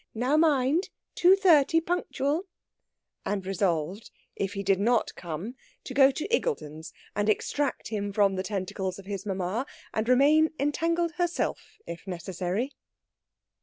Now, mind; two thirty punc.," and resolved, if he did not come, to go to Iggulden's and extract him from the tentacles of his mamma, and remain entangled herself, if necessary.